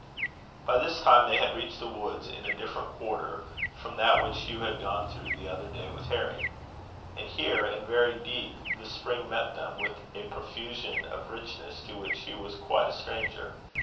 By this time they had reached the woods in a different quarter from that which Hugh had gone through the other day with Harry. And here, in very deed, the Spring met them, with a profusion of richness to which Hugh was quite a stranger.